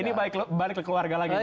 ini balik ke keluarga lagi ya